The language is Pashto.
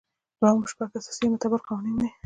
دوهم شپږ اساسي یا معتبر قوانین دي.